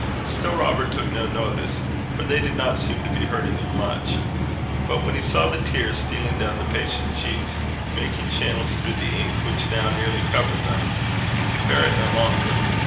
Still Robert took no notice, for they did not seem to be hurting him much. But when he saw the tears stealing down his patient cheeks, making channels through the ink which now nearly covered them, he could bear it no longer.